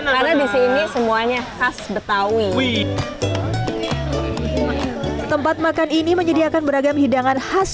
pahala desainnya semuanya khas betawi tepat makan ini menyediakan beragam hidangan khas